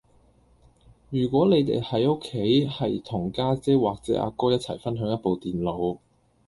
如果你哋喺屋企係同家姐或者阿哥一齊分享一部電腦